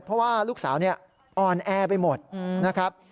เพราะว่าลูกสาวอ่อนแอไปหมดนะครับ